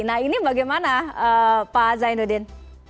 nah ini bagaimana pak zainuddin